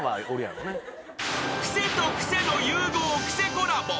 ［クセとクセの融合クセコラボ］